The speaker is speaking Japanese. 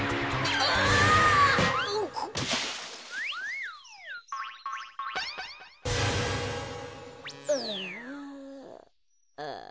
ああ。